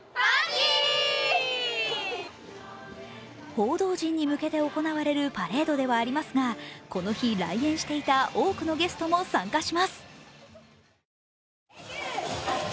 報道陣に向けて行われるパレードではありますが、この日、来園していた多くのゲストも参加します。